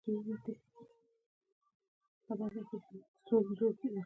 دښمن له اخلاص نه کرکه لري